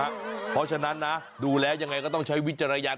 เพราะฉะนั้นนะดูแล้วยังไงก็ต้องใช้วิจารณญาณ